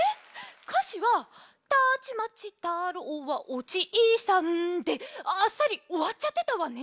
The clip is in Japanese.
かしは「たちまち太郎はおじいさん」であっさりおわっちゃってたわね。